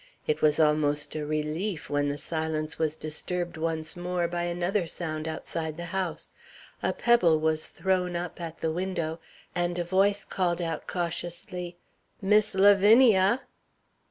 It was almost a relief when the silence was disturbed once more by another sound outside the house. A pebble was thrown up at the window, and a voice called out cautiously, "Miss Lavinia!"